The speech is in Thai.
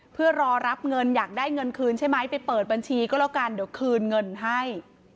เพื่อรอรับเงินอยากได้เงินคืนใช่ไหมไปเปิดบัญชีก็แล้วกันเดี๋ยวคืนเงินให้